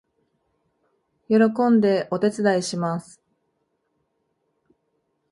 喜んでお手伝いします